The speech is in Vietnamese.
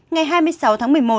ngày hai mươi sáu tháng một mươi một